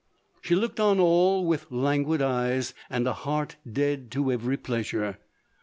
She looked on all with languid eyes, and a heart dead to every plea sure.